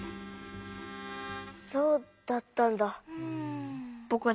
そうだったんだ。